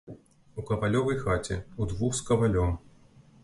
У кавалёвай хаце, удвух з кавалём.